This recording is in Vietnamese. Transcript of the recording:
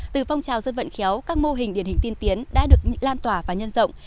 từ phong trào dân vận khéo các mô hình điển hình tiên tiến đã được lan tỏa và nhân rộng